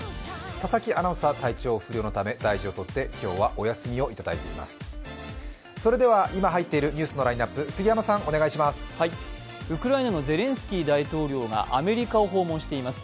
佐々木アナウンサー、体調不良のため、大事をとって今日はお休みをいただいています。